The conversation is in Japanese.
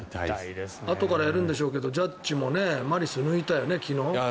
あとからやるんでしょうけどジャッジもマリスを昨日抜いたよね。